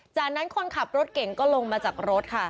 จากนั้นคนขับรถเก่งก็ลงมาจากรถค่ะ